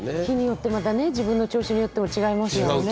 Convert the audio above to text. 日によって自分の調子によっても違いますよね。